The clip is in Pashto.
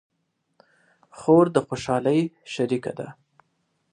خور د خوشحالۍ شریکه ده.